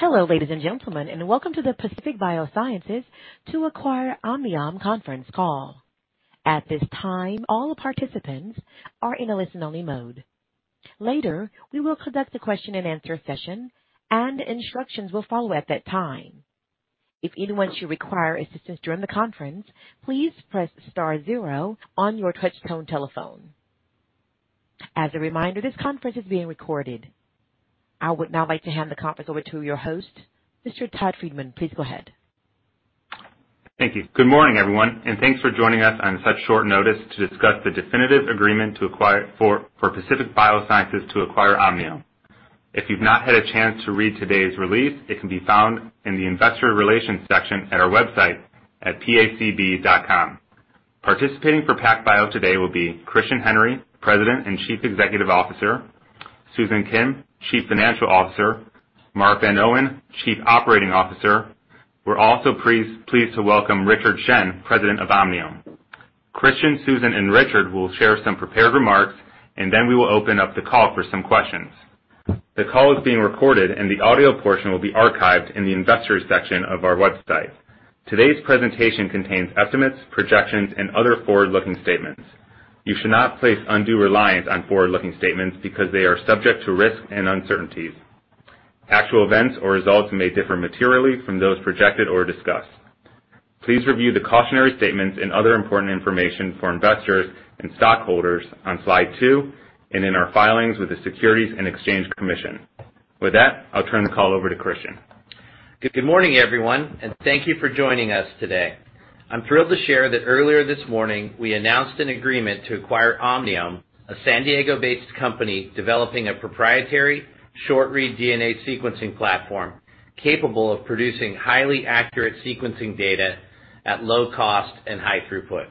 Hello, ladies and gentlemen, and welcome to the Pacific Biosciences to acquire Omniome conference call. At this time, all participants are in listen-only mode. Later, we will conduct the question and answer session and instructions will follow at that time. If anyone should require assistance during the conference, please press star zero on your touch-tone telephone. As a reminder, this conference is being recorded. I would now like to hand the conference over to your host, Mr. Todd Friedman. Please go ahead. Thank you. Good morning, everyone, and thanks for joining us on such short notice to discuss the definitive agreement for Pacific Biosciences to acquire Omniome. If you've not had a chance to read today's release, it can be found in the investor relations section at our website at pacb.com. Participating for PacBio today will be Christian Henry, President and Chief Executive Officer, Susan Kim, Chief Financial Officer, Mark Van Oene, Chief Operating Officer. We're also pleased to welcome Richard Shen, President of Omniome. Christian, Susan, and Richard will share some prepared remarks. Then we will open up the call for some questions. The call is being recorded. The audio portion will be archived in the investors section of our website. Today's presentation contains estimates, projections, and other forward-looking statements. You should not place undue reliance on forward-looking statements because they are subject to risks and uncertainties. Actual events or results may differ materially from those projected or discussed. Please review the cautionary statements and other important information for investors and stockholders on slide two and in our filings with the Securities and Exchange Commission. With that, I'll turn the call over to Christian. Good morning, everyone, and thank you for joining us today. I'm thrilled to share that earlier this morning, we announced an agreement to acquire Omniome, a San Diego-based company developing a proprietary short-read DNA sequencing platform capable of producing highly accurate sequencing data at low cost and high throughput.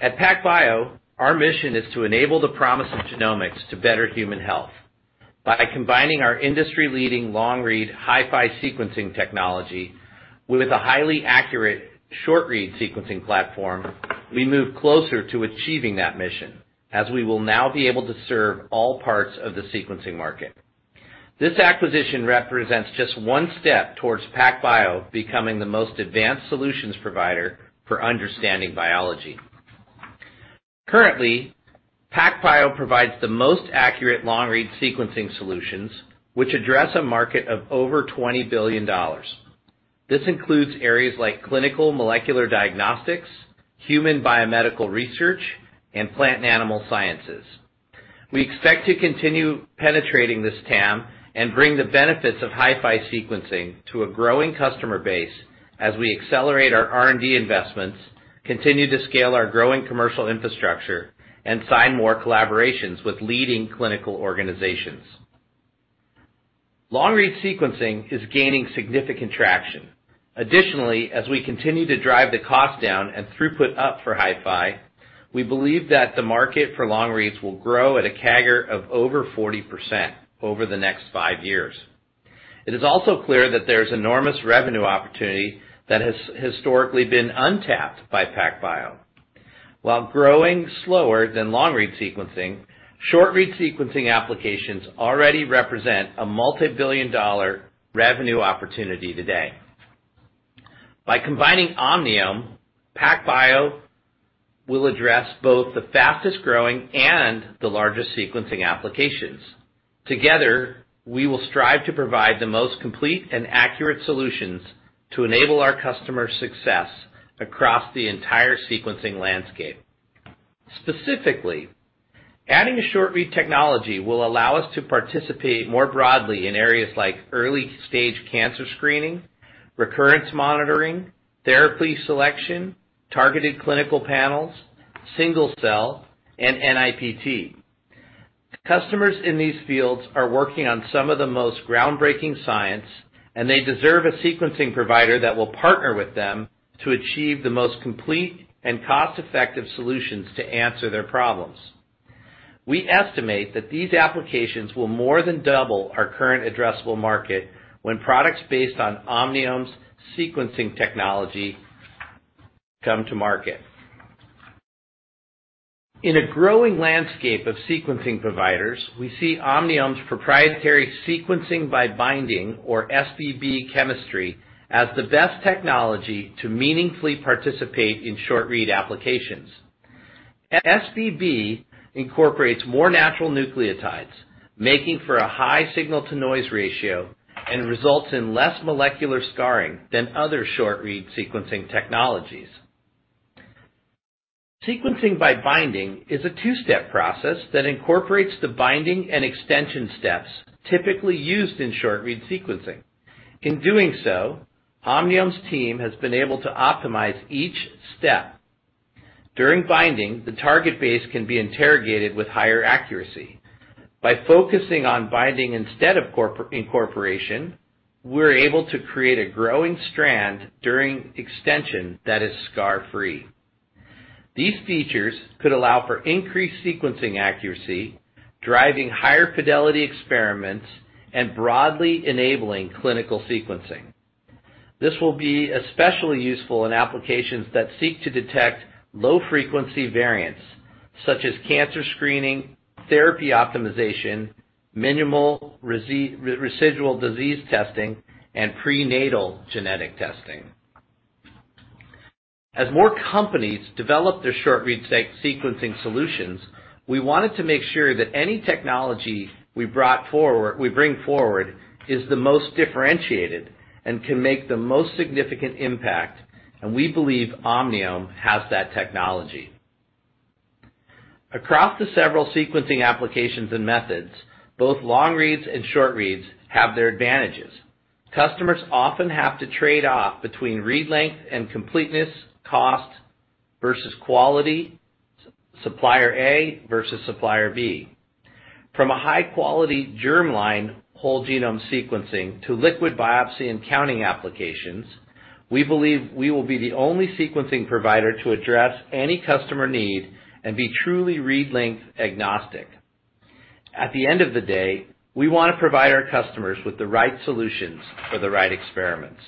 At PacBio, our mission is to enable the promise of genomics to better human health. By combining our industry-leading long-read HiFi sequencing technology with a highly accurate short-read sequencing platform, we move closer to achieving that mission, as we will now be able to serve all parts of the sequencing market. This acquisition represents just one step towards PacBio becoming the most advanced solutions provider for understanding biology. Currently, PacBio provides the most accurate long-read sequencing solutions, which address a market of over $20 billion. This includes areas like clinical molecular diagnostics, human biomedical research, and plant and animal sciences. We expect to continue penetrating this TAM and bring the benefits of HiFi sequencing to a growing customer base as we accelerate our R&D investments, continue to scale our growing commercial infrastructure, and sign more collaborations with leading clinical organizations. Long-read sequencing is gaining significant traction. Additionally, as we continue to drive the cost down and throughput up for HiFi, we believe that the market for long reads will grow at a CAGR of over 40% over the next five years. It is also clear that there's enormous revenue opportunity that has historically been untapped by PacBio. While growing slower than long-read sequencing, short-read sequencing applications already represent a multibillion-dollar revenue opportunity today. By combining Omniome, PacBio will address both the fastest-growing and the largest sequencing applications. Together, we will strive to provide the most complete and accurate solutions to enable our customers' success across the entire sequencing landscape. Specifically, adding a short-read technology will allow us to participate more broadly in areas like early-stage cancer screening, recurrence monitoring, therapy selection, targeted clinical panels, single cell, and NIPT. Customers in these fields are working on some of the most groundbreaking science, and they deserve a sequencing provider that will partner with them to achieve the most complete and cost-effective solutions to answer their problems. We estimate that these applications will more than double our current addressable market when products based on Omniome's sequencing technology come to market. In a growing landscape of sequencing providers, we see Omniome's proprietary Sequencing by Binding or SBB chemistry as the best technology to meaningfully participate in short-read applications. SBB incorporates more natural nucleotides, making for a high signal-to-noise ratio, and results in less molecular scarring than other short-read sequencing technologies. Sequencing by Binding is a two-step process that incorporates the binding and extension steps typically used in short-read sequencing. In doing so, Omniome's team has been able to optimize each step. During binding, the target base can be interrogated with higher accuracy. By focusing on binding instead of incorporation, we're able to create a growing strand during extension that is scar-free. These features could allow for increased sequencing accuracy, driving higher fidelity experiments and broadly enabling clinical sequencing. This will be especially useful in applications that seek to detect low-frequency variants, such as cancer screening, therapy optimization, minimal residual disease testing, and prenatal genetic testing. As more companies develop their short-read sequencing solutions, we wanted to make sure that any technology we bring forward is the most differentiated and can make the most significant impact, and we believe Omniome has that technology. Across the several sequencing applications and methods, both long reads and short reads have their advantages. Customers often have to trade off between read length and completeness, cost versus quality, supplier A versus supplier B. From a high-quality germline whole genome sequencing to liquid biopsy and counting applications, we believe we will be the only sequencing provider to address any customer need and be truly read length agnostic. At the end of the day, we want to provide our customers with the right solutions for the right experiments.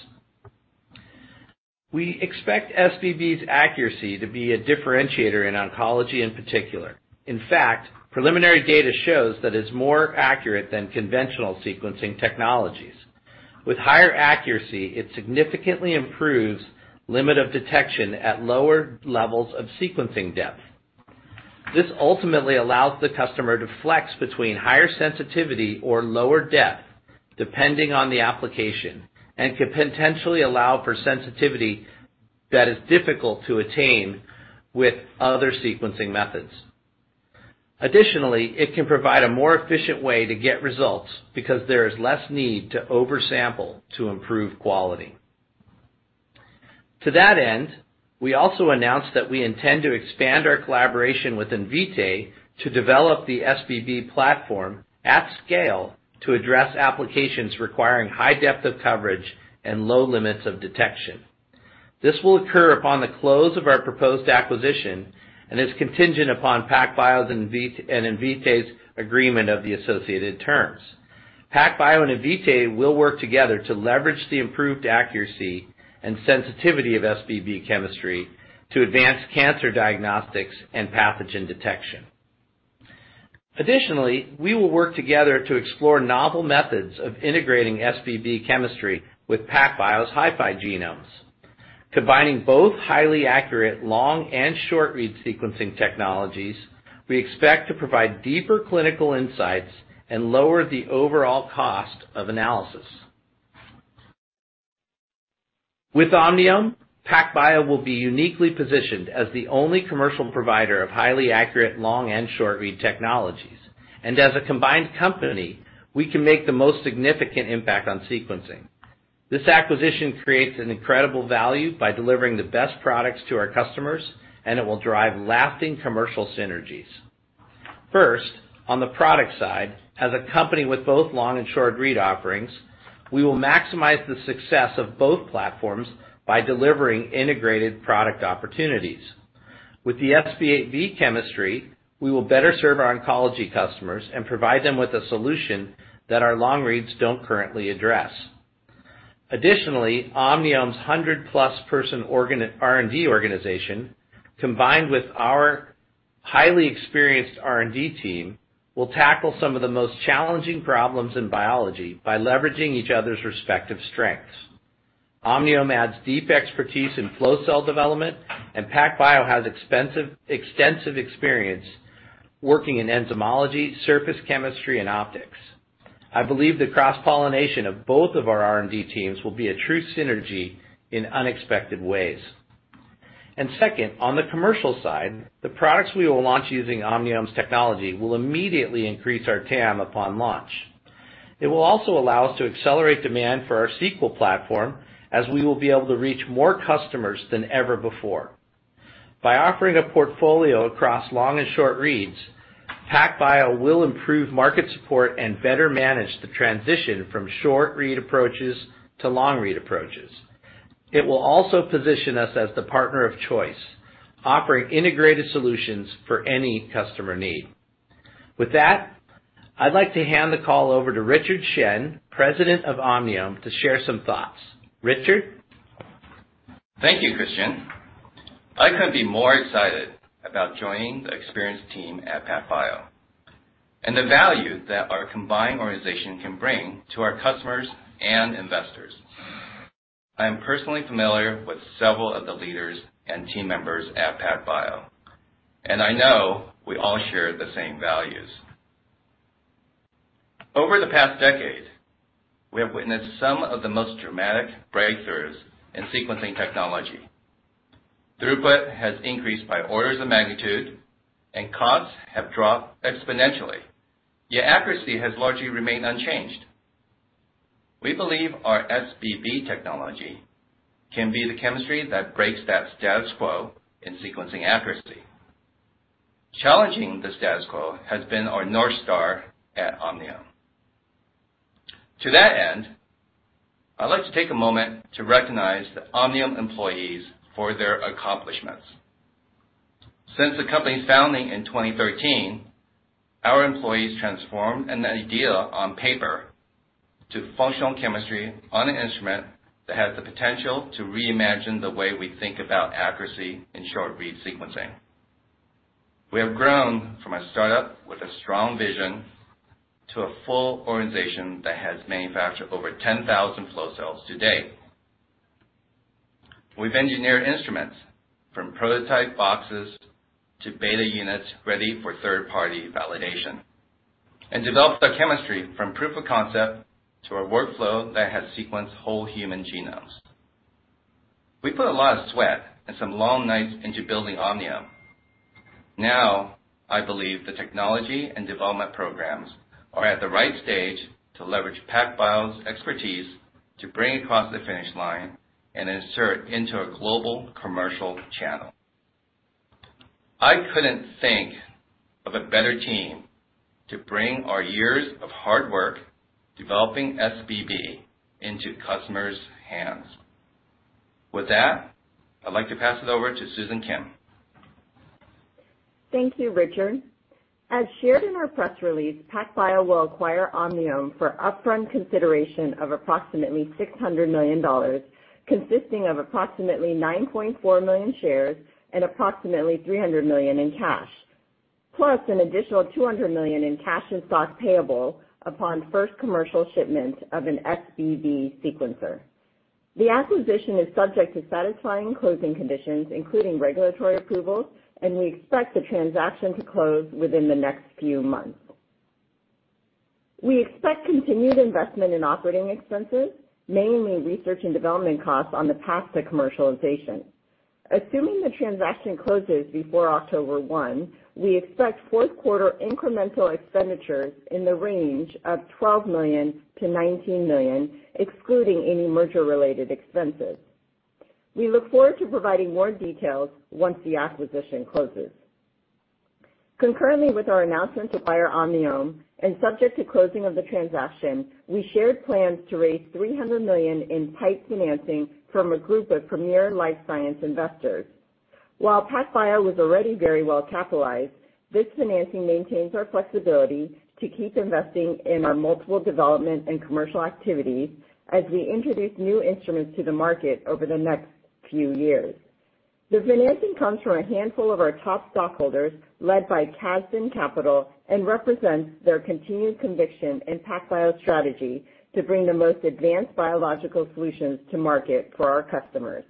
We expect SBB's accuracy to be a differentiator in oncology in particular. In fact, preliminary data shows that it's more accurate than conventional sequencing technologies. With higher accuracy, it significantly improves limit of detection at lower levels of sequencing depth. This ultimately allows the customer to flex between higher sensitivity or lower depth, depending on the application, and can potentially allow for sensitivity that is difficult to attain with other sequencing methods. Additionally, it can provide a more efficient way to get results because there is less need to oversample to improve quality. To that end, we also announced that we intend to expand our collaboration with Invitae to develop the SBB platform at scale to address applications requiring high depth of coverage and low limits of detection. This will occur upon the close of our proposed acquisition and is contingent upon PacBio's and Invitae's agreement of the associated terms. PacBio and Invitae will work together to leverage the improved accuracy and sensitivity of SBB chemistry to advance cancer diagnostics and pathogen detection. Additionally, we will work together to explore novel methods of integrating SBB chemistry with PacBio's HiFi genomes. Combining both highly accurate long and short read sequencing technologies, we expect to provide deeper clinical insights and lower the overall cost of analysis. With Omniome, PacBio will be uniquely positioned as the only commercial provider of highly accurate long and short-read technologies. As a combined company, we can make the most significant impact on sequencing. This acquisition creates an incredible value by delivering the best products to our customers, and it will drive lasting commercial synergies. On the product side, as a company with both long and short-read offerings, we will maximize the success of both platforms by delivering integrated product opportunities. With the SBB chemistry, we will better serve our oncology customers and provide them with a solution that our long reads don't currently address. Additionally, Omniome's 100-plus person R&D organization, combined with our highly experienced R&D team, will tackle some of the most challenging problems in biology by leveraging each other's respective strengths. Omniome adds deep expertise in flow cell development. PacBio has extensive experience working in enzymology, surface chemistry, and optics. I believe the cross-pollination of both of our R&D teams will be a true synergy in unexpected ways. Second, on the commercial side, the products we will launch using Omniome's technology will immediately increase our TAM upon launch. It will also allow us to accelerate demand for our Sequel platform as we will be able to reach more customers than ever before. By offering a portfolio across long-read and short-read approaches, PacBio will improve market support and better manage the transition from short-read approaches to long-read approaches. It will also position us as the partner of choice, offering integrated solutions for any customer need. With that, I'd like to hand the call over to Richard Shen, President of Omniome, to share some thoughts. Richard? Thank you, Christian. I couldn't be more excited about joining the experienced team at PacBio and the value that our combined organization can bring to our customers and investors. I am personally familiar with several of the leaders and team members at PacBio, and I know we all share the same values. Over the past decade, we have witnessed some of the most dramatic breakthroughs in sequencing technology. Throughput has increased by orders of magnitude and costs have dropped exponentially, yet accuracy has largely remained unchanged. We believe our SBB technology can be the chemistry that breaks that status quo in sequencing accuracy. Challenging the status quo has been our North Star at Omniome. To that end, I'd like to take a moment to recognize the Omniome employees for their accomplishments. Since the company's founding in 2013, our employees transformed an idea on paper to functional chemistry on an instrument that has the potential to reimagine the way we think about accuracy in short read sequencing. We have grown from a startup with a strong vision to a full organization that has manufactured over 10,000 flow cells to date. We've engineered instruments from prototype boxes to beta units ready for third-party validation, and developed our chemistry from proof of concept to a workflow that has sequenced whole human genomes. We put a lot of sweat and some long nights into building Omniome. Now, I believe the technology and development programs are at the right stage to leverage PacBio's expertise to bring across the finish line and insert into a global commercial channel. I couldn't think of a better team to bring our years of hard work developing SBB into customers' hands. With that, I'd like to pass it over to Susan Kim. Thank you, Richard. As shared in our press release, PacBio will acquire Omniome for upfront consideration of $600 million, consisting of 9.4 million shares and $300 million in cash, plus an additional $200 million in cash and stock payable upon first commercial shipment of an SBB sequencer. The acquisition is subject to satisfying closing conditions, including regulatory approvals, and we expect the transaction to close within the next few months. We expect continued investment in operating expenses, mainly research and development costs on the path to commercialization. Assuming the transaction closes before October 1, we expect fourth quarter incremental expenditures in the range of $12 million-$19 million, excluding any merger-related expenses. We look forward to providing more details once the acquisition closes. Concurrently with our announcement to acquire Omniome, and subject to closing of the transaction, we shared plans to raise $300 million in PIPE financing from a group of premier life science investors. While PacBio was already very well capitalized, this financing maintains our flexibility to keep investing in our multiple development and commercial activities as we introduce new instruments to the market over the next few years. The financing comes from a handful of our top stockholders, led by Casdin Capital, and represents their continued conviction in PacBio's strategy to bring the most advanced biological solutions to market for our customers.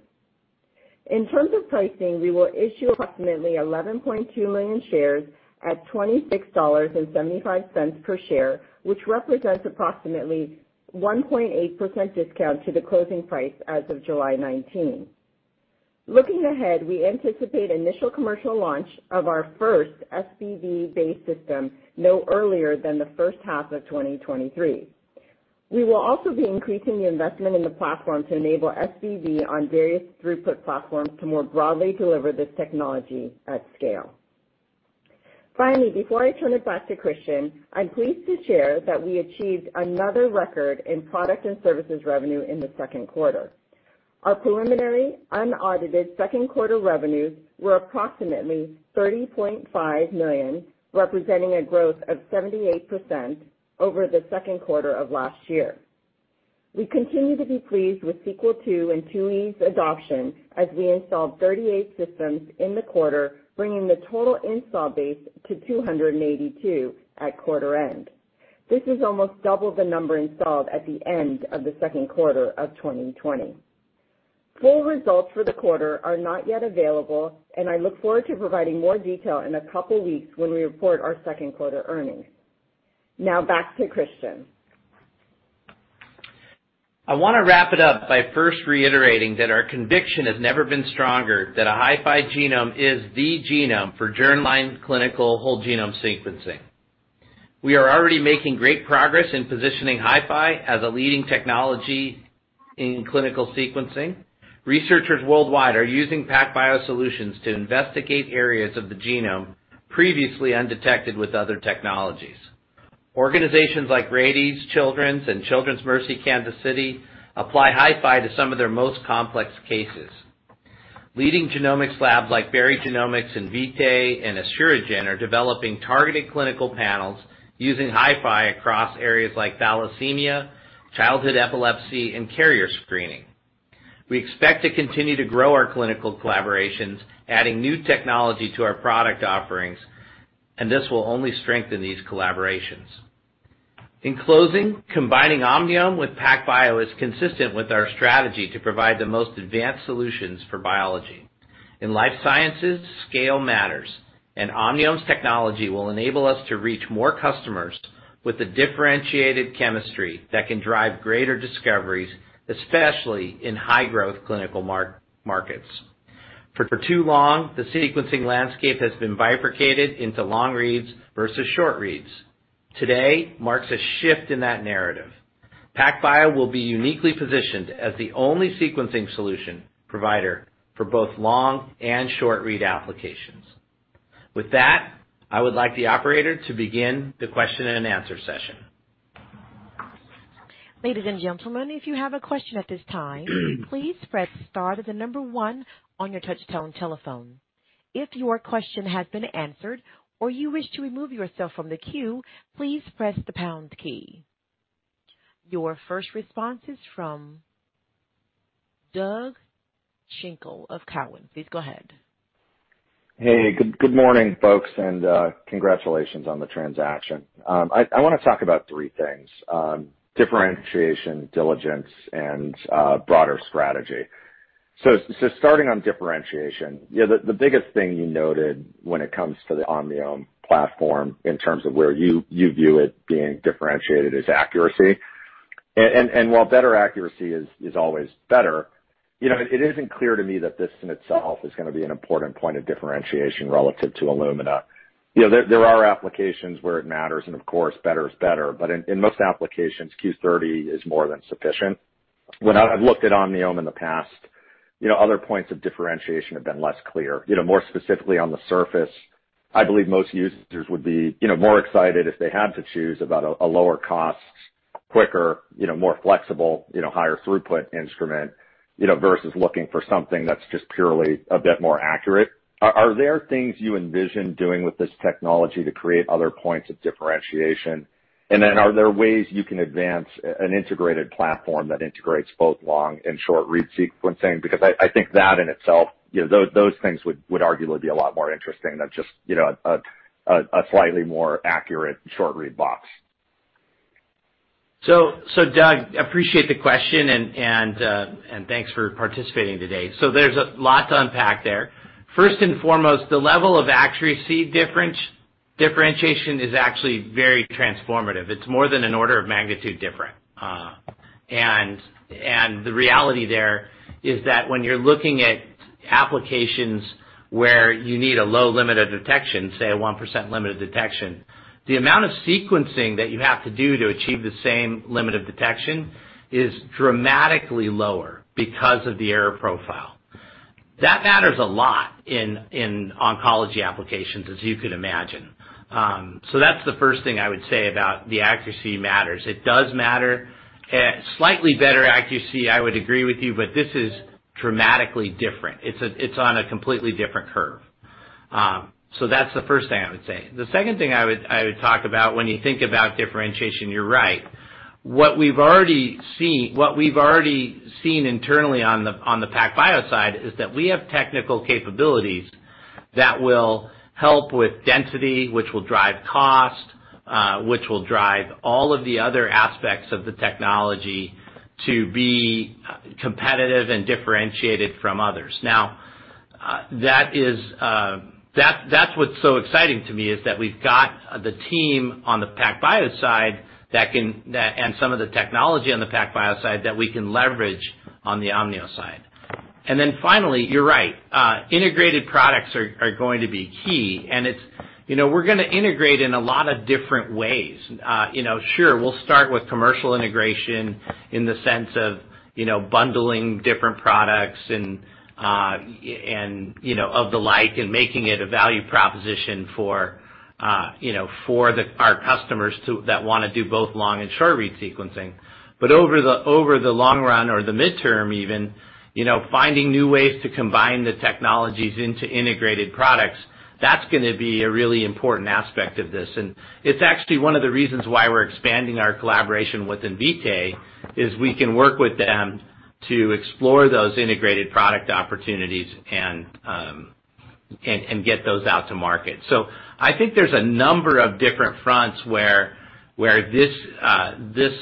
In terms of pricing, we will issue approximately 11.2 million shares at $26.75 per share, which represents approximately 1.8% discount to the closing price as of July 19. Looking ahead, we anticipate initial commercial launch of our first SBB base system no earlier than the first half of 2023. We will also be increasing the investment in the platform to enable SBB on various throughput platforms to more broadly deliver this technology at scale. Finally, before I turn it back to Christian, I'm pleased to share that we achieved another record in product and services revenue in the second quarter. Our preliminary, unaudited second quarter revenues were approximately $30.5 million, representing a growth of 78% over the second quarter of last year. We continue to be pleased with Sequel II and IIe's adoption as we installed 38 systems in the quarter, bringing the total install base to 282 at quarter end. This is almost double the number installed at the end of the second quarter of 2020. Full results for the quarter are not yet available, and I look forward to providing more detail in a couple weeks when we report our second quarter earnings. Back to Christian. I want to wrap it up by first reiterating that our conviction has never been stronger that a HiFi genome is the genome for germline clinical whole genome sequencing. We are already making great progress in positioning HiFi as a leading technology in clinical sequencing. Researchers worldwide are using PacBio solutions to investigate areas of the genome previously undetected with other technologies. Organizations like Rady Children's and Children's Mercy Kansas City apply HiFi to some of their most complex cases. Leading genomics labs like Berry Genomics, Invitae, and Asuragen are developing targeted clinical panels using HiFi across areas like thalassemia, childhood epilepsy, and carrier screening. We expect to continue to grow our clinical collaborations, adding new technology to our product offerings, and this will only strengthen these collaborations. In closing, combining Omniome with PacBio is consistent with our strategy to provide the most advanced solutions for biology. In life sciences, scale matters, and Omniome's technology will enable us to reach more customers with a differentiated chemistry that can drive greater discoveries, especially in high growth clinical markets. For too long, the sequencing landscape has been bifurcated into long-reads versus short-reads. Today marks a shift in that narrative. PacBio will be uniquely positioned as the only sequencing solution provider for both long-read and short-read applications. With that, I would like the operator to begin the question and answer session. Ladies and gentlemen, if you have questions at this time, please press star and then the number one on your touch-tone telephone. If your question has been answered or you wish to remove yourself from the queue, please press the pound key. Your first response is from Doug Schenkel of Cowen. Please go ahead. Hey, good morning, folks, and congratulations on the transaction. I want to talk about three things: differentiation, diligence, and broader strategy. Starting on differentiation, the biggest thing you noted when it comes to the Omniome platform in terms of where you view it being differentiated is accuracy. While better accuracy is always better, it isn't clear to me that this in itself is going to be an important point of differentiation relative to Illumina. There are applications where it matters, and of course, better is better, but in most applications, Q30 is more than sufficient. When I've looked at Omniome in the past, other points of differentiation have been less clear. More specifically on the surface, I believe most users would be more excited if they had to choose about a lower cost, quicker, more flexible, higher throughput instrument versus looking for something that's just purely a bit more accurate. Are there things you envision doing with this technology to create other points of differentiation? Are there ways you can advance an integrated platform that integrates both long-read and short-read sequencing? I think that in itself, those things would arguably be a lot more interesting than just a slightly more accurate short-read box. Doug, appreciate the question and thanks for participating today. There's a lot to unpack there. First and foremost, the level of accuracy differentiation is actually very transformative. It's more than an order of magnitude different. The reality there is that when you're looking at applications where you need a low limit of detection, say a 1% limit of detection, the amount of sequencing that you have to do to achieve the same limit of detection is dramatically lower because of the error profile. That matters a lot in oncology applications, as you could imagine. That's the first thing I would say about the accuracy matters. It does matter. Slightly better accuracy, I would agree with you, but this is dramatically different. It's on a completely different curve. That's the first thing I would say. The second thing I would talk about when you think about differentiation, you're right. What we've already seen internally on the PacBio side is that we have technical capabilities that will help with density, which will drive cost, which will drive all of the other aspects of the technology to be competitive and differentiated from others. That's what's so exciting to me is that we've got the team on the PacBio side and some of the technology on the PacBio side that we can leverage on the Omniome side. Finally, you're right. Integrated products are going to be key. We're going to integrate in a lot of different ways. Sure, we'll start with commercial integration in the sense of bundling different products of the like and making it a value proposition for our customers that want to do both long-read and short-read sequencing. Over the long run or the midterm even, finding new ways to combine the technologies into integrated products, that's going to be a really important aspect of this. It's actually one of the reasons why we're expanding our collaboration with Invitae, is we can work with them to explore those integrated product opportunities and get those out to market. I think there's a number of different fronts where this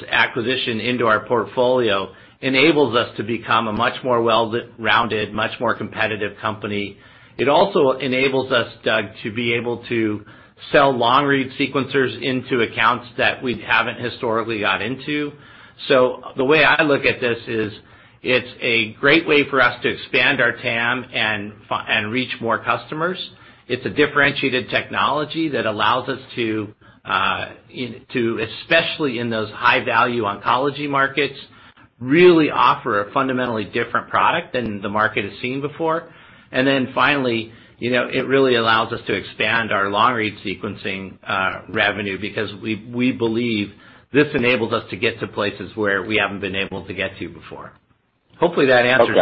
acquisition into our portfolio enables us to become a much more well-rounded, much more competitive company. It also enables us, Doug, to be able to sell long-read sequencers into accounts that we haven't historically got into. The way I look at this is it's a great way for us to expand our TAM and reach more customers. It's a differentiated technology that allows us to, especially in those high-value oncology markets, really offer a fundamentally different product than the market has seen before. Finally, it really allows us to expand our long-read sequencing revenue because we believe this enables us to get to places where we haven't been able to get to before. Hopefully that answers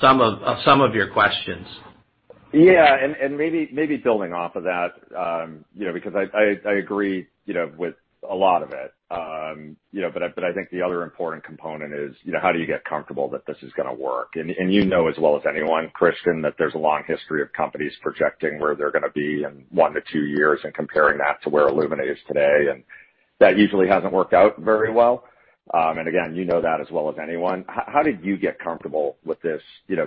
some of your questions. Yeah, and maybe dealing off with that. Because I agree with a lot of it, I think the other important component is how do you get comfortable that this is going to work? You know as well as anyone, Christian, that there's a long history of companies projecting where they're going to be in one to two years and comparing that to where Illumina is today, that usually hasn't worked out very well. Again, you know that as well as anyone. How did you get comfortable with this,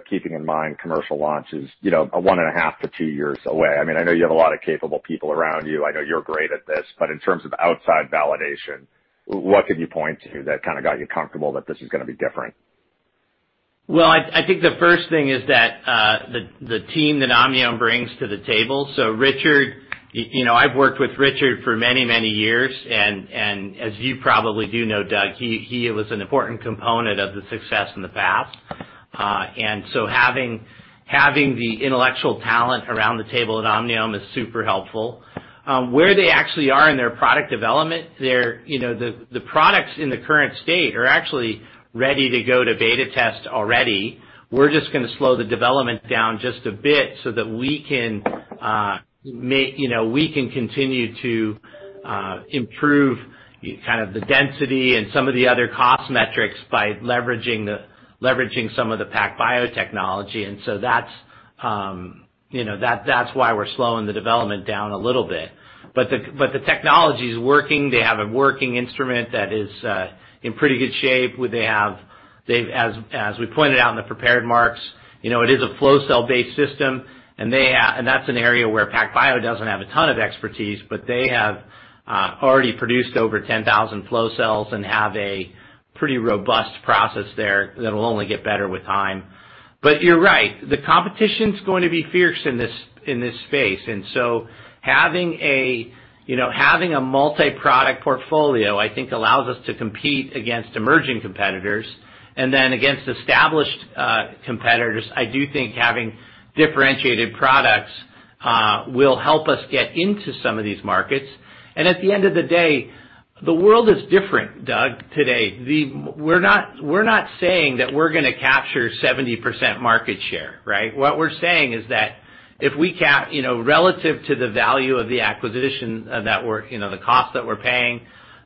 keeping in mind commercial launch is one and a half to two years away? I know you have a lot of capable people around you. I know you're great at this. In terms of outside validation, what could you point to that kind of got you comfortable that this is going to be different? I think the first thing is the team that Omniome brings to the table. Richard, I've worked with Richard for many, many years, and as you probably do know, Doug, he was an important component of the success in the past. Having the intellectual talent around the table at Omniome is super helpful. Where they actually are in their product development, the products in the current state are actually ready to go to beta test already. We're just going to slow the development down just a bit so that we can continue to improve the density and some of the other cost metrics by leveraging some of the PacBio technology. That's why we're slowing the development down a little bit. The technology's working. They have a working instrument that is in pretty good shape. As we pointed out in the prepared remarks, it is a flow cell-based system, and that's an area where PacBio doesn't have a ton of expertise, but they have already produced over 10,000 flow cells and have a pretty robust process there that'll only get better with time. You're right. The competition's going to be fierce in this space. Having a multi-product portfolio, I think, allows us to compete against emerging competitors. Against established competitors, I do think having differentiated products will help us get into some of these markets. At the end of the day, the world is different, Doug, today. We're not saying that we're going to capture 70% market share, right? What we're saying is that relative to the value of the acquisition, the cost that we're paying,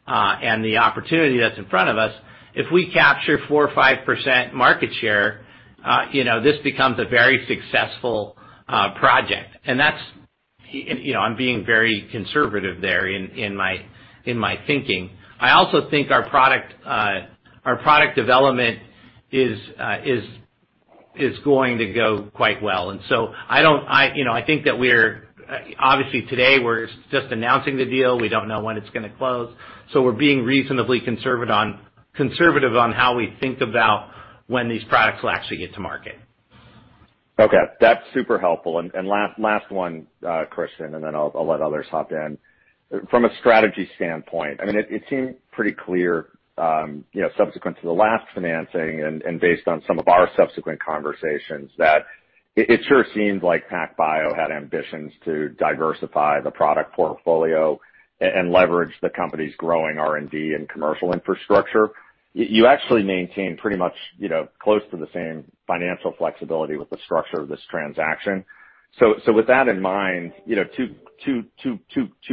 and the opportunity that's in front of us, if we capture 4% or 5% market share, this becomes a very successful project. I'm being very conservative there in my thinking. I also think our product development is going to go quite well. I think that obviously today we're just announcing the deal. We don't know when it's going to close, so we're being reasonably conservative on how we think about when these products will actually get to market. Okay. That's super helpful. Last one, Christian, then I'll let others hop in. From a strategy standpoint, it seemed pretty clear subsequent to the last financing and based on some of our subsequent conversations that it sure seems like PacBio had ambitions to diversify the product portfolio and leverage the company's growing R&D and commercial infrastructure. You actually maintain pretty much close to the same financial flexibility with the structure of this transaction. With that in mind, two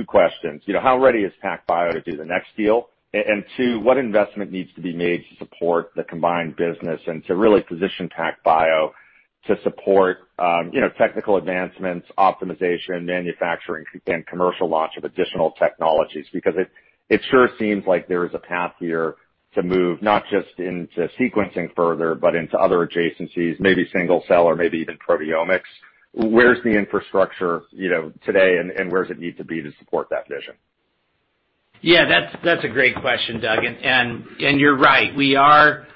questions. How ready is PacBio to do the next deal? And two, what investment needs to be made to support the combined business and to really position PacBio to support technical advancements, optimization, manufacturing, and commercial launch of additional technologies? It sure seems like there is a path here to move not just into sequencing further, but into other adjacencies, maybe single cell or maybe even proteomics. Where's the infrastructure today, and where does it need to be to support that vision? Yeah, that's a great question, Doug, and you're right. We are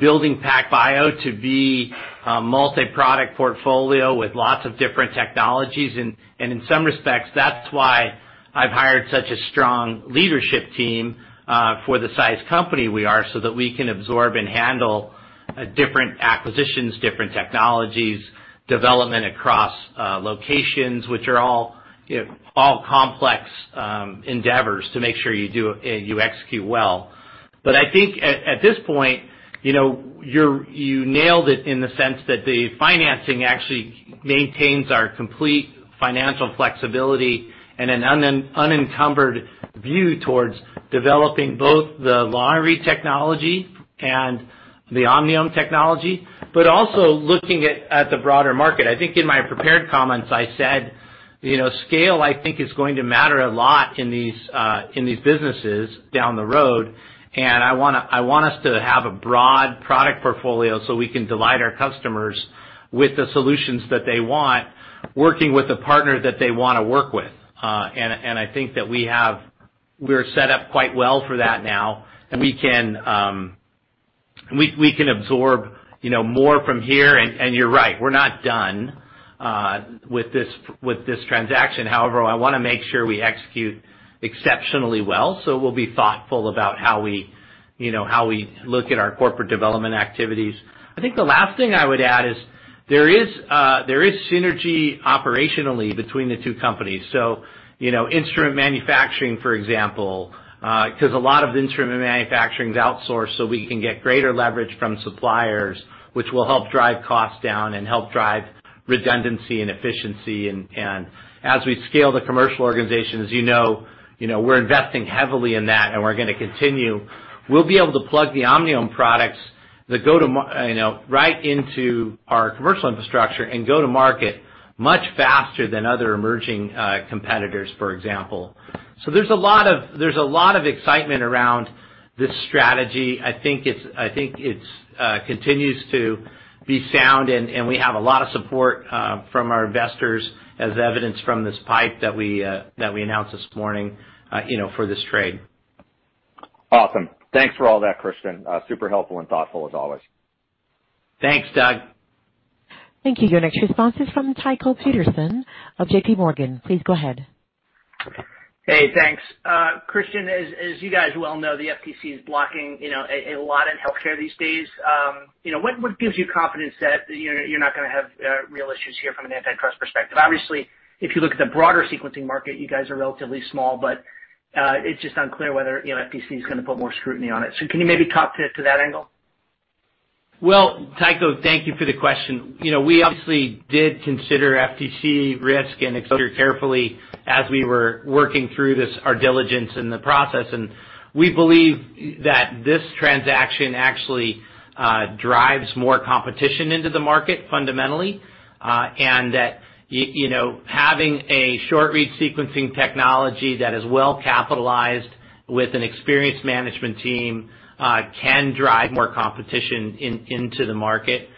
building PacBio to be a multi-product portfolio with lots of different technologies. In some respects, that's why I've hired such a strong leadership team for the size company we are, so that we can absorb and handle different acquisitions, different technologies, development across locations, which are all complex endeavors to make sure you execute well. I think at this point, you nailed it in the sense that the financing actually maintains our complete financial flexibility and an unencumbered view towards developing both the long-read technology and the Omniome technology, but also looking at the broader market. I think in my prepared comments, I said scale, I think, is going to matter a lot in these businesses down the road, and I want us to have a broad product portfolio so we can delight our customers with the solutions that they want, working with the partner that they want to work with. I think that we are set up quite well for that now, and we can absorb more from here. You're right, we're not done with this transaction. However, I want to make sure we execute exceptionally well, so we'll be thoughtful about how we look at our corporate development activities. I think the last thing I would add is there is synergy operationally between the two companies. Instrument manufacturing, for example, because a lot of instrument manufacturing is outsourced, we can get greater leverage from suppliers, which will help drive costs down and help drive redundancy and efficiency. As we scale the commercial organization, as you know, we're investing heavily in that, and we're going to continue. We'll be able to plug the Omniome products right into our commercial infrastructure and go to market much faster than other emerging competitors, for example. There's a lot of excitement around this strategy. I think it continues to be sound, and we have a lot of support from our investors, as evidenced from this PIPE that we announced this morning for this trade. Awesome. Thanks for all that, Christian. Super helpful and thoughtful as always. Thanks, Doug. Thank you. Your next response is from Tycho Peterson of JPMorgan. Please go ahead. Hey, thanks. Christian, as you guys well know, the FTC is blocking a lot in healthcare these days. What gives you confidence that you're not going to have real issues here from an antitrust perspective? Obviously, if you look at the broader sequencing market, you guys are relatively small, but it's just unclear whether FTC is going to put more scrutiny on it. Can you maybe talk to that angle? Well, Tycho, thank you for the question. We obviously did consider FTC risk and considered carefully as we were working through our diligence in the process, and we believe that this transaction actually drives more competition into the market fundamentally, and that having a short-read sequencing technology that is well-capitalized with an experienced management team can drive more competition into the market.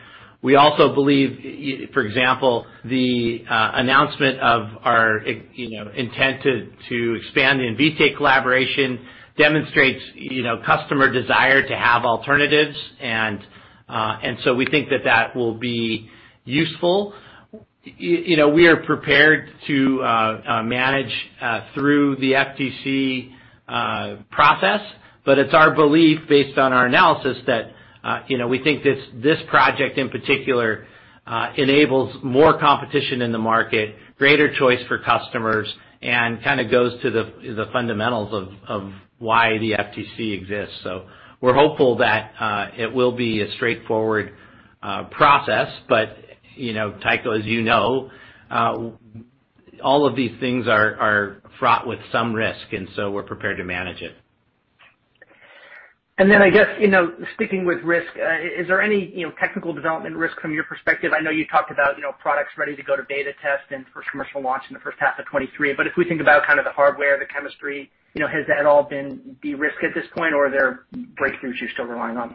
We also believe, for example, the announcement of our intent to expand the Invitae collaboration demonstrates customer desire to have alternatives, and so we think that that will be useful. We are prepared to manage through the FTC process, but it's our belief, based on our analysis, that we think this project in particular enables more competition in the market, greater choice for customers, and goes to the fundamentals of why the FTC exists. We're hopeful that it will be a straightforward process, but Tycho, as you know, all of these things are fraught with some risk, and so we're prepared to manage it. Then, I guess, sticking with risk, is there any technical development risk from your perspective? I know you talked about products ready to go to beta test and first commercial launch in the first half of 2023, but if we think about the hardware, the chemistry, has that all been de-risked at this point, or are there breakthroughs you're still relying on?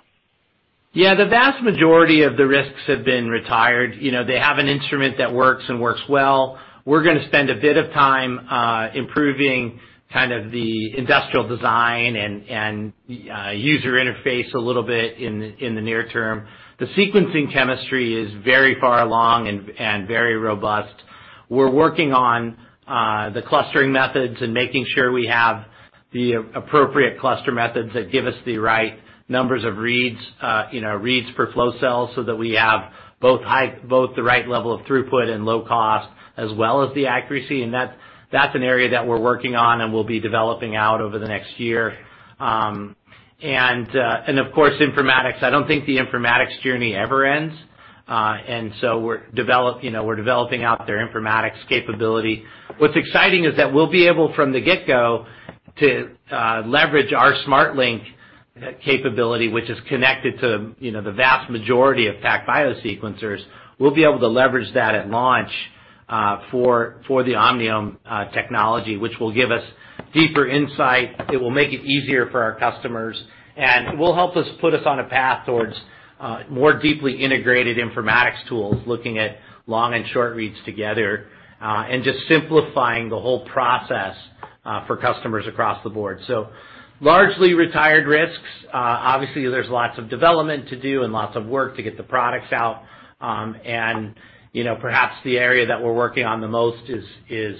Yeah. The vast majority of the risks have been retired. They have an instrument that works and works well. We're going to spend a bit of time improving the industrial design and user interface a little bit in the near term. The sequencing chemistry is very far along and very robust. We're working on the clustering methods and making sure we have the appropriate cluster methods that give us the right numbers of reads per flow cell so that we have both the right level of throughput and low cost, as well as the accuracy, and that's an area that we're working on and will be developing out over the next year. Of course, informatics. I don't think the informatics journey ever ends. We're developing out their informatics capability. What's exciting is that we'll be able, from the get-go, to leverage our SMRT Link capability, which is connected to the vast majority of PacBio sequencers. We'll be able to leverage that at launch for the Omniome technology, which will give us deeper insight. It will make it easier for our customers, and will help put us on a path towards more deeply integrated informatics tools, looking at long and short reads together, and just simplifying the whole process for customers across the board. Largely retired risks. Obviously, there's lots of development to do and lots of work to get the products out. Perhaps the area that we're working on the most is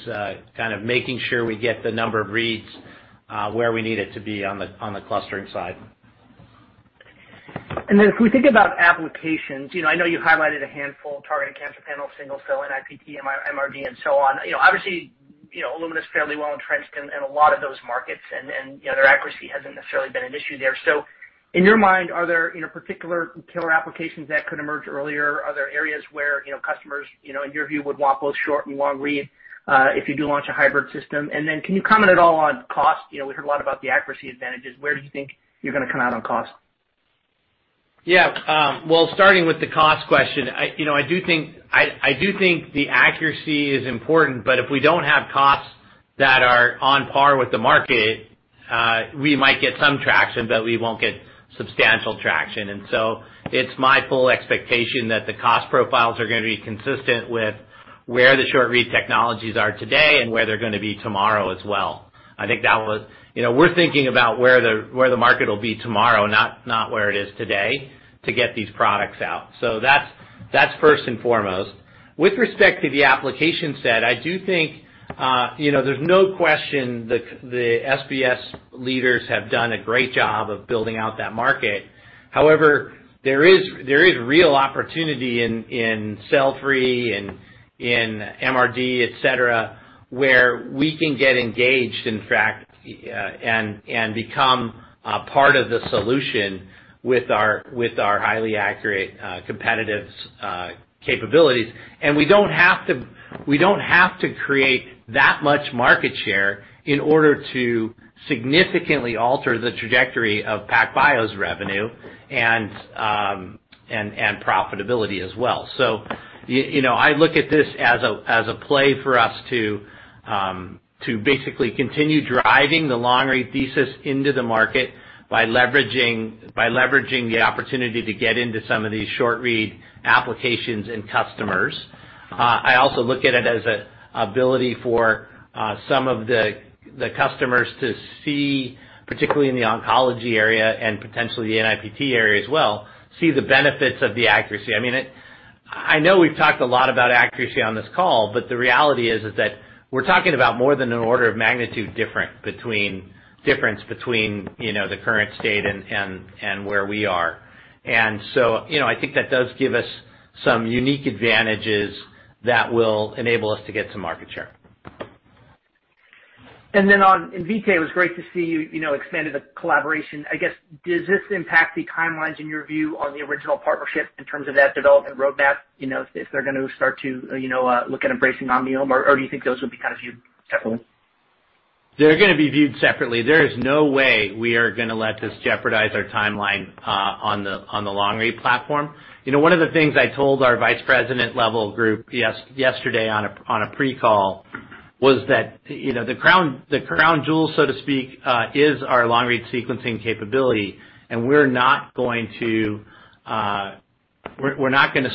making sure we get the number of reads where we need it to be on the clustering side. If we think about applications, I know you highlighted a handful, targeted cancer panel, single-cell, NIPT, MRD, and so on. Illumina's fairly well entrenched in a lot of those markets, and their accuracy hasn't necessarily been an issue there. In your mind, are there particular killer applications that could emerge earlier? Are there areas where customers, in your view, would want both short and long-read if you do launch a hybrid system? Can you comment at all on cost? We heard a lot about the accuracy advantages. Where do you think you're going to come out on cost? Well, starting with the cost question, I do think the accuracy is important, but if we don't have costs that are on par with the market, we might get some traction, but we won't get substantial traction. It's my full expectation that the cost profiles are going to be consistent with where the short-read technologies are today and where they're going to be tomorrow as well. We're thinking about where the market will be tomorrow, not where it is today, to get these products out. That's first and foremost. With respect to the application set, I do think there's no question the SBS leaders have done a great job of building out that market. However, there is real opportunity in cell-free and in MRD, et cetera, where we can get engaged, in fact, and become a part of the solution with our highly accurate, competitive capabilities. We don't have to create that much market share in order to significantly alter the trajectory of PacBio's revenue and profitability as well. I look at this as a play for us to basically continue driving the long-read thesis into the market by leveraging the opportunity to get into some of these short-read applications and customers. I also look at it as an ability for some of the customers to see, particularly in the oncology area and potentially the NIPT area as well, see the benefits of the accuracy. I mean, I know we've talked a lot about accuracy on this call, but the reality is that we're talking about more than an order of magnitude difference between the current state and where we are. I think that does give us some unique advantages that will enable us to get some market share. On Invitae, it was great to see you expand the collaboration. I guess, does this impact the timelines, in your view, on the original partnership in terms of that development roadmap, if they're going to start to look at embracing Omniome, or do you think those will be kind of viewed separately? They're going to be viewed separately. There is no way we are going to let this jeopardize our timeline on the long-read platform. One of the things I told our vice president level group yesterday on a pre-call was that the crown jewel, so to speak, is our long-read sequencing capability. We're not going to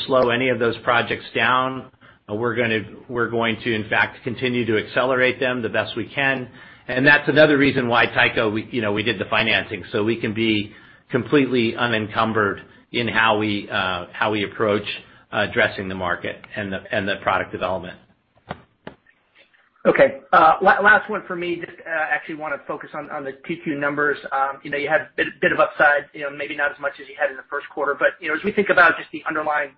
slow any of those projects down. We're going to, in fact, continue to accelerate them the best we can. That's another reason why Tycho, we did the financing, so we can be completely unencumbered in how we approach addressing the market and the product development. Okay. Last one for me. Actually want to focus on the 2Q numbers. You had a bit of upside, maybe not as much as you had in the first quarter. As we think about just the underlying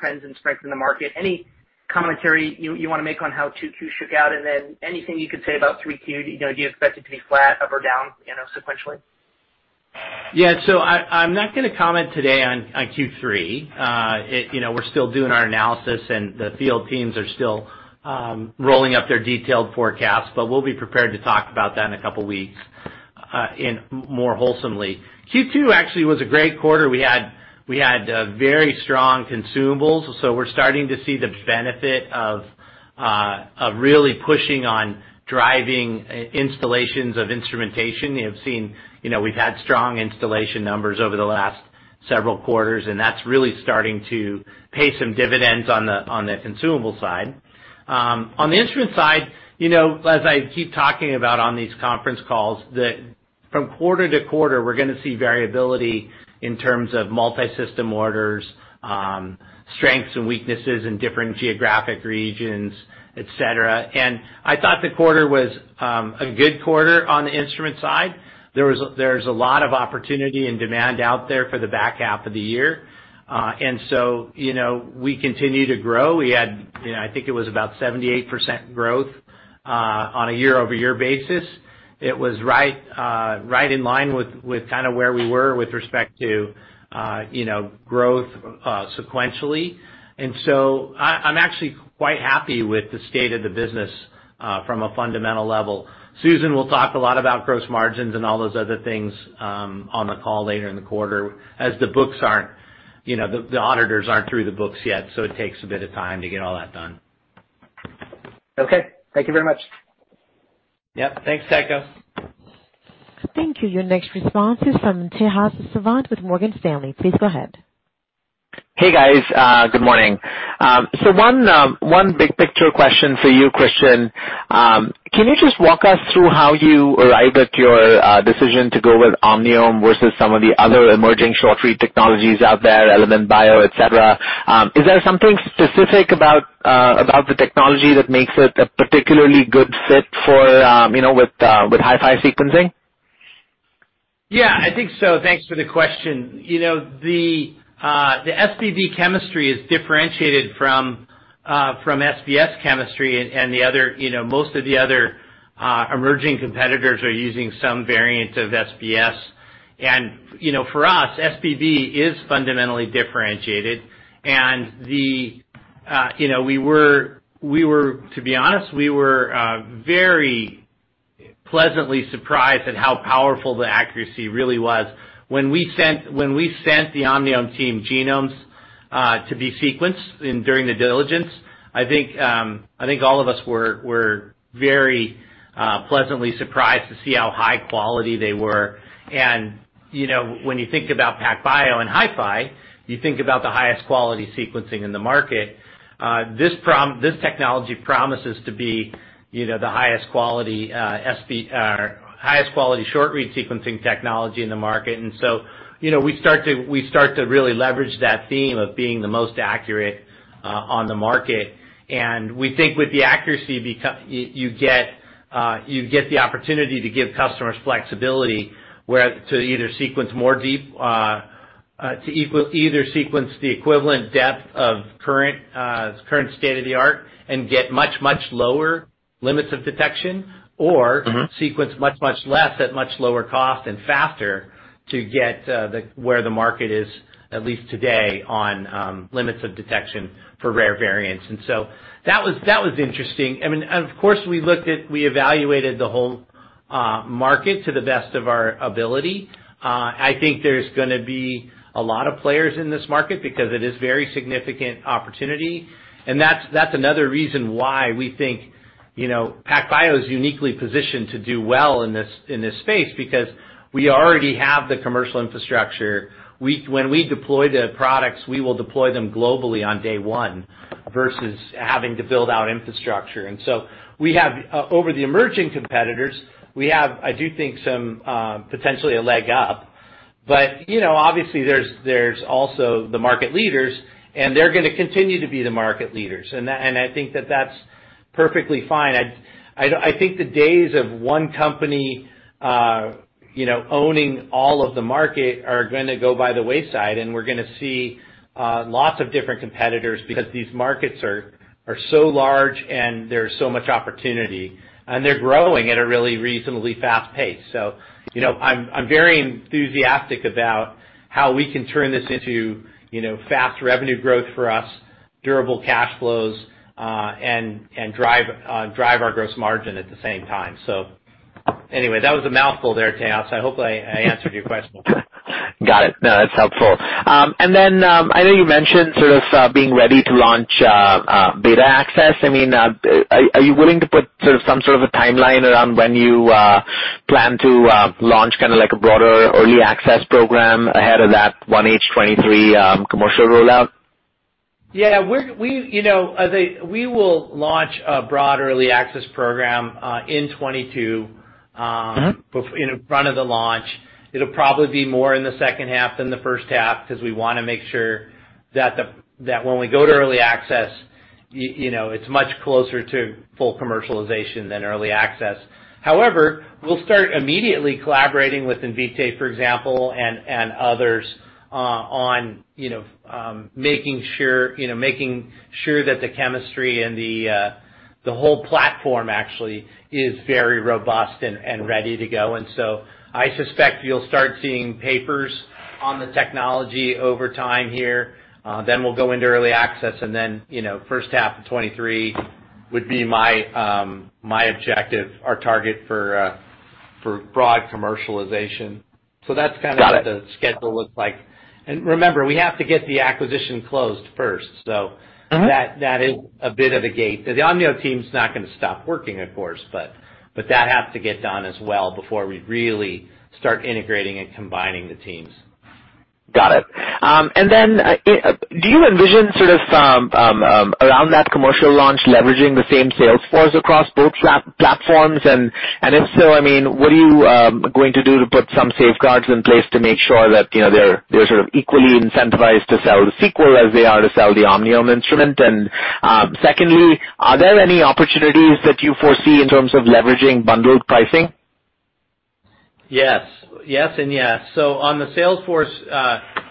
trends and strength in the market, any commentary you want to make on how 2Q shook out? Anything you could say about 3Q, do you expect it to be flat up or down sequentially? I'm not going to comment today on Q3. We're still doing our analysis, and the field teams are still rolling up their detailed forecasts, but we'll be prepared to talk about that in two weeks more wholesomely. Q2 actually was a great quarter. We had very strong consumables, so we're starting to see the benefit of really pushing on driving installations of instrumentation. You have seen we've had strong installation numbers over the last several quarters, and that's really starting to pay some dividends on the consumable side. On the instrument side, as I keep talking about on these conference calls, that from quarter-to-quarter, we're going to see variability in terms of multi-system orders, strengths and weaknesses in different geographic regions, et cetera. I thought the quarter was a good quarter on the instrument side. There's a lot of opportunity and demand out there for the back half of the year. We continue to grow. We had, I think it was about 78% growth on a year-over-year basis. It was right in line with where we were with respect to growth sequentially. I'm actually quite happy with the state of the business from a fundamental level. Susan will talk a lot about gross margins and all those other things on the call later in the quarter, as the auditors aren't through the books yet, so it takes a bit of time to get all that done. Okay. Thank you very much. Yep. Thanks, Tycho. Thank you. Your next response is from Tejas Savant with Morgan Stanley. Please go ahead. Hey, guys. Good morning. One big picture question for you, Christian. Can you just walk us through how you arrived at your decision to go with Omniome versus some of the other emerging short-read technologies out there, Element Bio, et cetera? Is there something specific about the technology that makes it a particularly good fit with HiFi sequencing? Yeah, I think so. Thanks for the question. The SBB chemistry is differentiated from SBS chemistry, and most of the other emerging competitors are using some variant of SBS. For us, SBB is fundamentally differentiated. To be honest, we were very pleasantly surprised at how powerful the accuracy really was. When we sent the Omniome team genomes to be sequenced during the diligence, I think all of us were very pleasantly surprised to see how high quality they were. When you think about PacBio and HiFi, you think about the highest quality sequencing in the market. This technology promises to be the highest quality short-read sequencing technology in the market. We start to really leverage that theme of being the most accurate on the market. We think with the accuracy, you get the opportunity to give customers flexibility to either sequence the equivalent depth of current state of the art and get much, much lower limits of detection. Sequence much, much less at much lower cost and faster to get where the market is, at least today, on limits of detection for rare variants. That was interesting. I mean, of course, we evaluated the whole market to the best of our ability. I think there's going to be a lot of players in this market because it is a very significant opportunity. That's another reason why we think PacBio is uniquely positioned to do well in this space, because we already have the commercial infrastructure. When we deploy the products, we will deploy them globally on day 1 versus having to build out infrastructure. Over the emerging competitors, we have, I do think, potentially a leg up. Obviously, there's also the market leaders, and they're going to continue to be the market leaders. I think that that's perfectly fine. I think the days of one company owning all of the market are going to go by the wayside, and we're going to see lots of different competitors because these markets are so large and there's so much opportunity, and they're growing at a really reasonably fast pace. I'm very enthusiastic about how we can turn this into fast revenue growth for us, durable cash flows, and drive our gross margin at the same time. Anyway, that was a mouthful there, Tejas. I hope I answered your question. Got it. No, that's helpful. I know you mentioned sort of being ready to launch beta access. Are you willing to put some sort of a timeline around when you plan to launch kind of a broader early access program ahead of that 1H 2023 commercial rollout? Yeah. We will launch a broad early access program in 2022 in front of the launch. It'll probably be more in the second half than the first half because we want to make sure that when we go to early access, it's much closer to full commercialization than early access. However, we'll start immediately collaborating with Invitae, for example, and others, on making sure that the chemistry and the whole platform actually is very robust and ready to go. I suspect you'll start seeing papers on the technology over time here. We'll go into early access, and then first half of 2023 would be my objective or target for broad commercialization. That's kind of- Got it. What the schedule looks like. Remember, we have to get the acquisition closed first. That is a bit of a gate. The Omniome team's not going to stop working, of course, but that has to get done as well before we really start integrating and combining the teams. Got it. Then, do you envision sort of some around that commercial launch leveraging the same sales force across both platforms? If so, what are you going to do to put some safeguards in place to make sure that they're sort of equally incentivized to sell the Sequel as they are to sell the Omniome instrument? Secondly, are there any opportunities that you foresee in terms of leveraging bundled pricing? Yes, yes, and yes. On the sales force,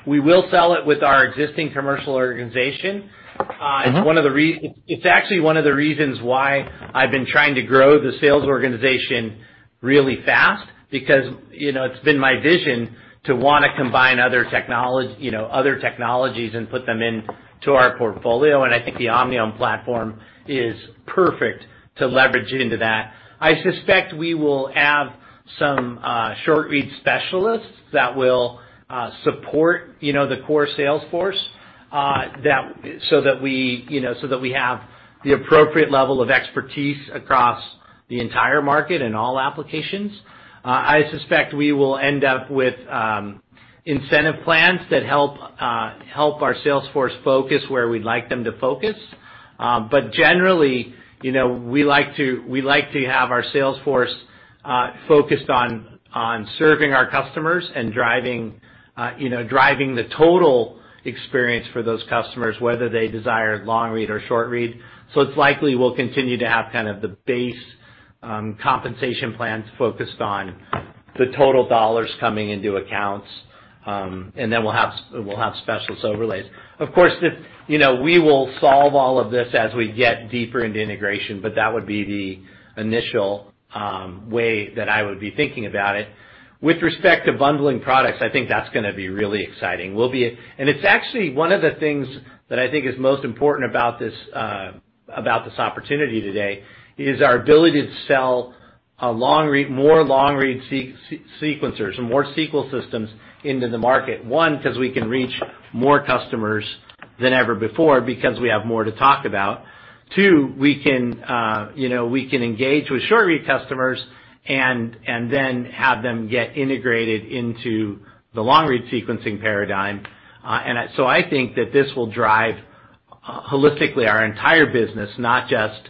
we will sell it with our existing commercial organization. It's actually one of the reasons why I've been trying to grow the sales organization really fast because it's been my vision to want to combine other technologies and put them into our portfolio, and I think the Omniome platform is perfect to leverage into that. I suspect we will have some short-read specialists that will support the core sales force, so that we have the appropriate level of expertise across the entire market and all applications. I suspect we will end up with incentive plans that help our sales force focus where we'd like them to focus. But generally, we like to have our sales force focused on serving our customers and driving the total experience for those customers, whether they desire long-read or short-read. It's likely we'll continue to have kind of the base compensation plans focused on the total dollars coming into accounts, and then we'll have specialist overlays. Of course, we will solve all of this as we get deeper into integration, but that would be the initial way that I would be thinking about it. With respect to bundling products, I think that's going to be really exciting. It's actually one of the things that I think is most important about this opportunity today, is our ability to sell more long-read sequencers and more Sequel systems into the market. One, because we can reach more customers than ever before because we have more to talk about. Two, we can engage with short-read customers and then have them get integrated into the long-read sequencing paradigm. I think that this will drive holistically our entire business, not just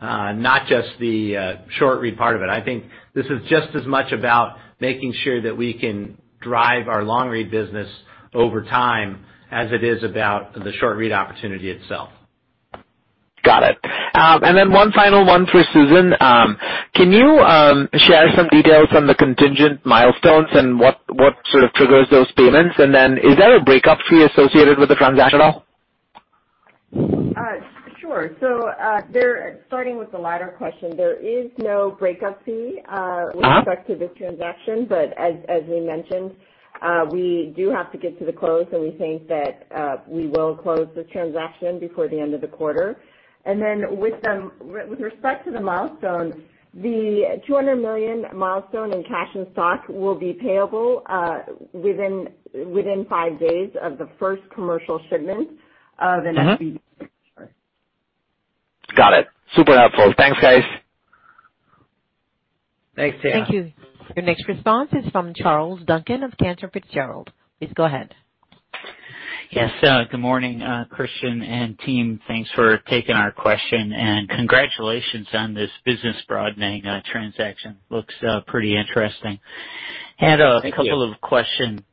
the short-read part of it. I think this is just as much about making sure that we can drive our long-read business over time as it is about the short-read opportunity itself. Got it. One final one for Susan. Can you share some details on the contingent milestones and what sort of triggers those payments? Is there a breakup fee associated with the transaction at all? Sure. Starting with the latter question, there is no breakup fee with respect to this transaction. As we mentioned, we do have to get to the close, and we think that we will close this transaction before the end of the quarter. Then with respect to the milestones, the $200 million milestone in cash and stock will be payable within five days of the first commercial shipment of an SBB. Mm-hmm. Got it. Super helpful. Thanks, guys. Thanks, Tejas. Thank you. Your next response is from Charles Duncan of Cantor Fitzgerald. Please go ahead. Yes. Good morning, Christian and team. Thanks for taking our question, and congratulations on this business-broadening transaction. Looks pretty interesting. Thank you. Had a couple of question.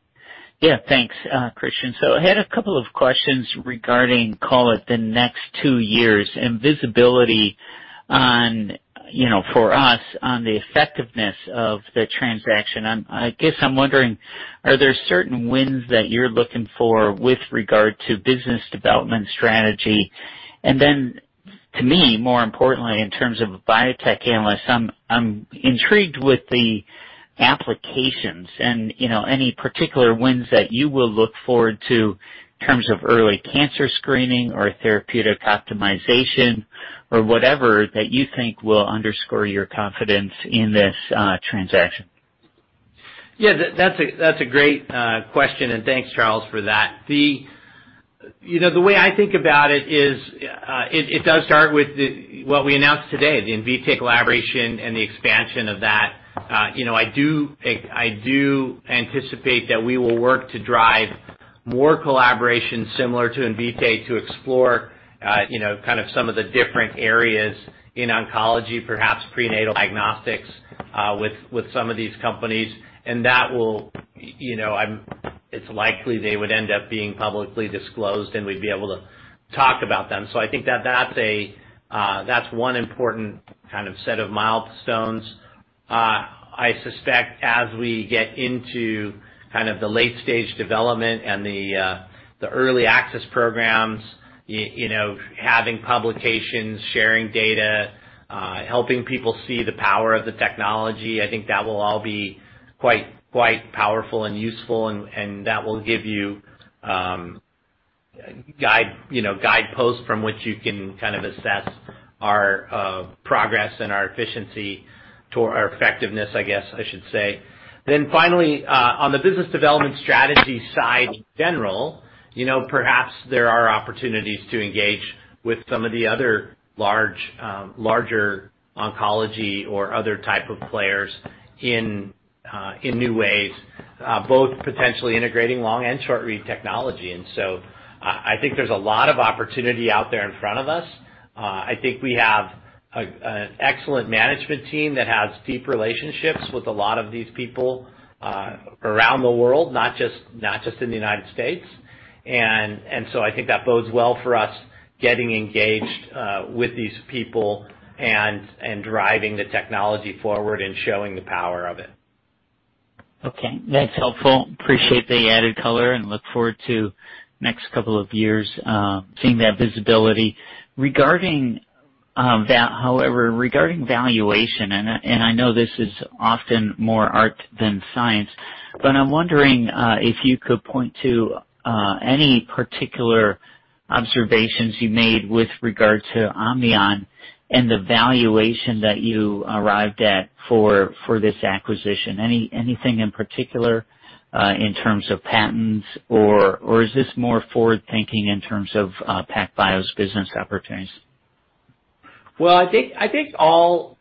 Yeah, thanks, Christian. I had a couple of questions regarding, call it the next two years, and visibility for us on the effectiveness of the transaction. I guess I'm wondering, are there certain wins that you're looking for with regard to business development strategy? Then to me, more importantly, in terms of a biotech analyst, I'm intrigued with the applications and any particular wins that you will look forward to in terms of early cancer screening or therapeutic optimization or whatever that you think will underscore your confidence in this transaction. Yeah. That's a great question, and thanks, Charles, for that. The way I think about it is, it does start with what we announced today, the Invitae collaboration and the expansion of that. I do anticipate that we will work to drive more collaboration similar to Invitae to explore kind of some of the different areas in oncology, perhaps prenatal diagnostics, with some of these companies. It's likely they would end up being publicly disclosed, and we'd be able to talk about them. I think that's one important kind of set of milestones. I suspect as we get into the late-stage development and the early access programs, having publications, sharing data, helping people see the power of the technology, I think that will all be quite powerful and useful, and that will give you guideposts from which you can kind of assess our progress and our efficiency or effectiveness, I guess I should say. Finally, on the business development strategy side in general, perhaps there are opportunities to engage with some of the other larger oncology or other type of players in new ways, both potentially integrating long-read and short-read technology. I think there's a lot of opportunity out there in front of us. I think we have an excellent management team that has deep relationships with a lot of these people around the world, not just in the United States. I think that bodes well for us getting engaged with these people and driving the technology forward and showing the power of it. Okay. That's helpful. Appreciate the added color and look forward to next couple of years seeing that visibility. Regarding valuation, and I know this is often more art than science, but I'm wondering if you could point to any particular observations you made with regard to Omniome and the valuation that you arrived at for this acquisition. Anything in particular in terms of patents, or is this more forward-thinking in terms of PacBio's business opportunities? Well, I think all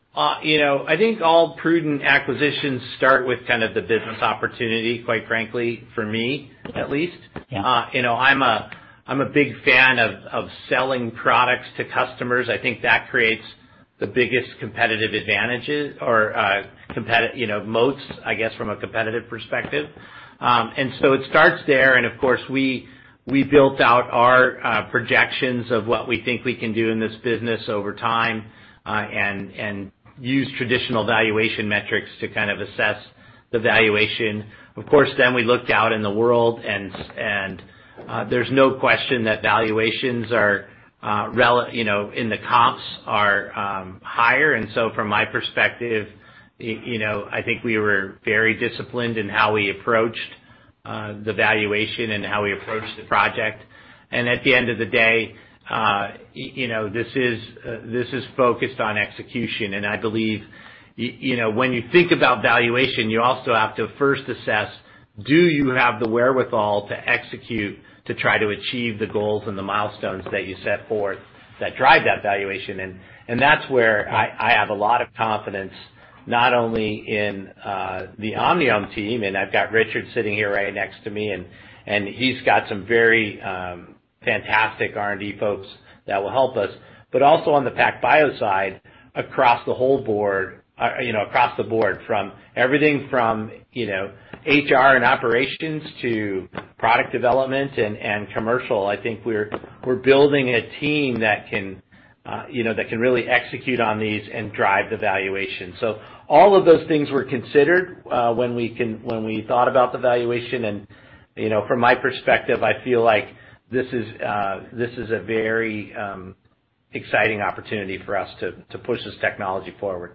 prudent acquisitions start with kind of the business opportunity, quite frankly, for me at least. Yeah. I'm a big fan of selling products to customers. I think that creates the biggest competitive advantages or most, I guess, from a competitive perspective. It starts there and, of course, we built out our projections of what we think we can do in this business over time, and use traditional valuation metrics to kind of assess the valuation. Of course, we looked out in the world, and there's no question that valuations in the comps are higher. From my perspective, I think we were very disciplined in how we approached the valuation and how we approached the project. At the end of the day, this is focused on execution, and I believe when you think about valuation, you also have to first assess, do you have the wherewithal to execute to try to achieve the goals and the milestones that you set forth that drive that valuation? That's where I have a lot of confidence, not only in the Omniome team, and I've got Richard sitting here right next to me, and he's got some very fantastic R&D folks that will help us, but also on the PacBio side, across the board, from everything from HR and operations to product development and commercial. I think we're building a team that can really execute on these and drive the valuation. All of those things were considered when we thought about the valuation, and from my perspective, I feel like this is a very exciting opportunity for us to push this technology forward.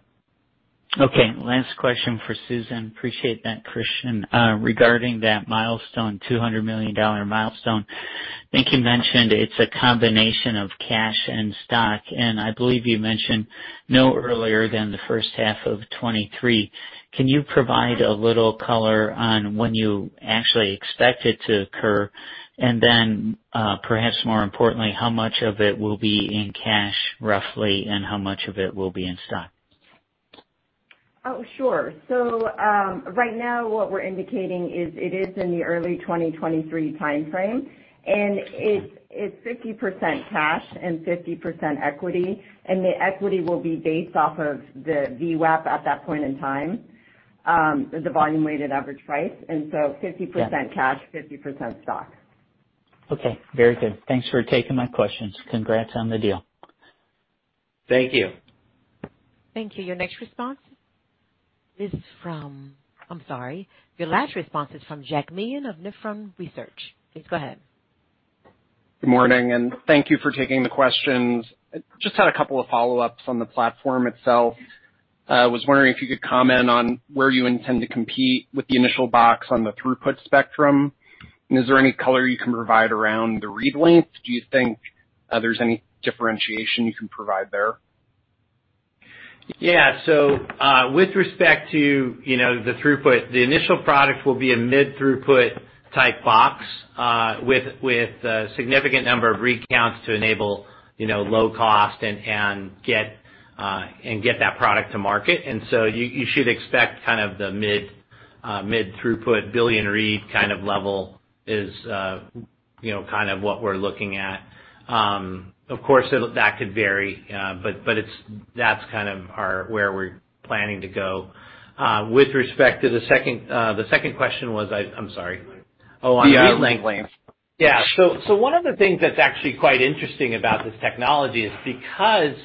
Okay. Last question for Susan. Appreciate that, Christian. Regarding that milestone, $200 million milestone, I think you mentioned it's a combination of cash and stock, and I believe you mentioned no earlier than the first half of 2023. Can you provide a little color on when you actually expect it to occur? Then, perhaps more importantly, how much of it will be in cash, roughly, and how much of it will be in stock? Oh, sure. Right now what we're indicating is it is in the early 2023 timeframe, and it's 50% cash and 50% equity, and the equity will be based off of the VWAP at that point in time, the volume weighted average price. 50% cash, 50% stock. Okay, very good. Thanks for taking my questions. Congrats on the deal. Thank you. Thank you. Your next response is from I'm sorry. Your last response is from Jack Meehan of Nephron Research. Please go ahead. Good morning, and thank you for taking the questions. Just had two follow-ups on the platform itself. I was wondering if you could comment on where you intend to compete with the initial box on the throughput spectrum. Is there any color you can provide around the read length? Do you think there's any differentiation you can provide there? With respect to the throughput, the initial product will be a mid throughput type box with a significant number of recounts to enable low cost and get that product to market. You should expect the mid throughput billion read kind of level is what we're looking at. Of course, that could vary. That's where we're planning to go. With respect to the second question was, I'm sorry. Oh, on read length. Read length. Yeah. One of the things that's actually quite interesting about this technology is because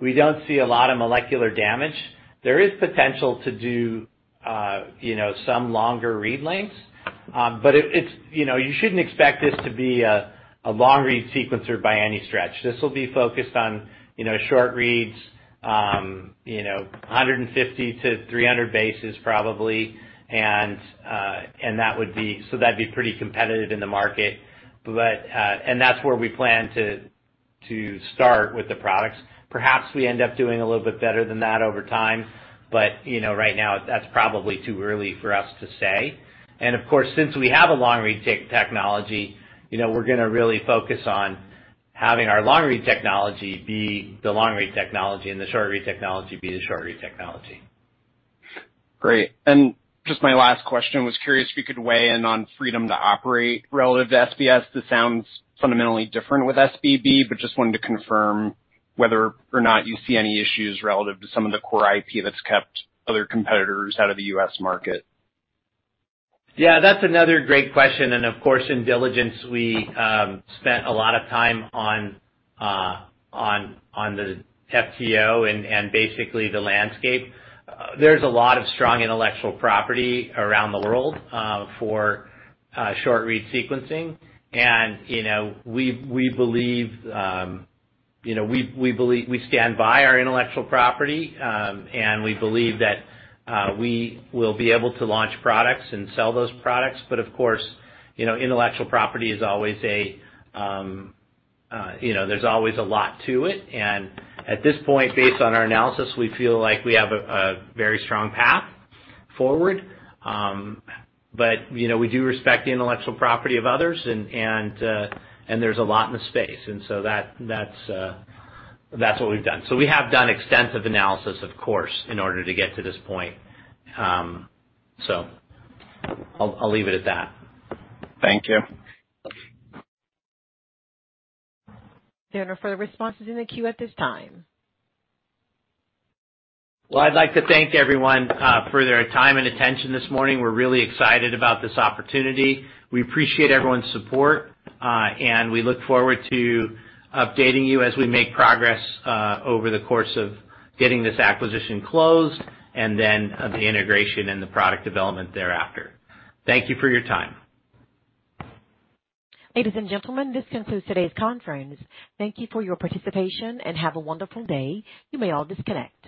we don't see a lot of molecular damage, there is potential to do some longer read lengths. You shouldn't expect this to be a long-read sequencer by any stretch. This will be focused on short reads, 150-300 bases probably, that'd be pretty competitive in the market. That's where we plan to start with the products. Perhaps we end up doing a little bit better than that over time, right now that's probably too early for us to say. Of course, since we have a long-read technology, we're going to really focus on having our long-read technology be the long-read technology and the short-read technology be the short-read technology. Great. Just my last question, was curious if you could weigh in on freedom to operate relative to SBS. This sounds fundamentally different with SBB, but just wanted to confirm whether or not you see any issues relative to some of the core IP that's kept other competitors out of the U.S. market. That's another great question, and of course, in diligence we spent a lot of time on the FTO and basically the landscape. There's a lot of strong intellectual property around the world for short-read sequencing. We stand by our intellectual property, and we believe that we will be able to launch products and sell those products. Of course, intellectual property is always a lot to it. At this point, based on our analysis, we feel like we have a very strong path forward. We do respect the intellectual property of others and there's a lot in the space. That's what we've done. We have done extensive analysis, of course, in order to get to this point. I'll leave it at that. Thank you. There are no further responses in the queue at this time. Well, I'd like to thank everyone for their time and attention this morning. We're really excited about this opportunity. We appreciate everyone's support, and we look forward to updating you as we make progress, over the course of getting this acquisition closed and then the integration and the product development thereafter. Thank you for your time. Ladies and gentlemen, this concludes today's conference. Thank you for your participation and have a wonderful day. You may all disconnect.